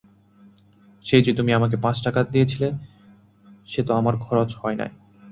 সেই যে তুমি আমাকে পাঁচটা টাকা দিয়াছিলে, সে তো আমার খরচ হয় নাই।